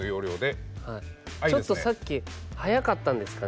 ちょっとさっき速かったんですかね